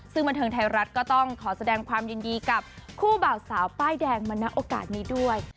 ซึ่งบันเทิงไทยรัฐก็ต้องขอแสดงความยินดีกับคู่บ่าวสาวป้ายแดงมาณโอกาสนี้ด้วย